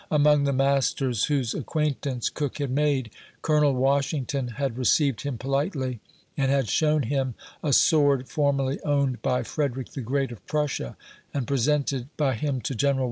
Among the masters whose acquaintance Cook had made, Colonel Washington had received him politely, and had shown hira a "sword formerly owned by Frederic the Great of Prussia, and presented by him to Genl.